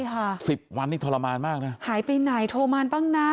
ใช่ค่ะสิบวันนี้ทรมานมากนะหายไปไหนโทรมานบ้างนะ